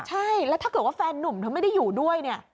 ใช่แล้วถ้าเกิดว่าแฟนนุ่มเธอไม่ได้อยู่ด้วยเนี่ย